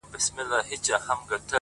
اوس هم زما د وجود ټوله پرهرونه وايي،